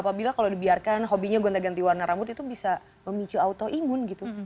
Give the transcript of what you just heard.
apabila kalau dibiarkan hobinya gonta ganti warna rambut itu bisa memicu autoimun gitu